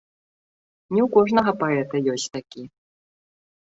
Не ў кожнага паэта ёсць такі.